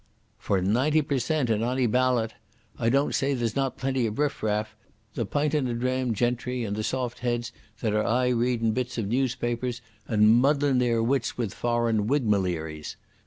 "For ninety per cent in ony ballot. I don't say that there's not plenty of riff raff—the pint and a dram gentry and the soft heads that are aye reading bits of newspapers, and muddlin' their wits with foreign whigmaleeries.